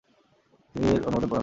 তিনি এর অনুমোদন প্রদান করেন।